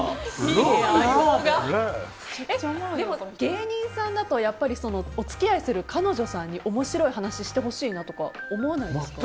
でも芸人さんだとお付き合いする彼女さんに面白い話してほしいなとか思わないですか。